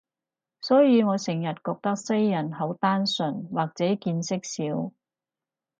所以我成日覺得西人好單純，或者見識少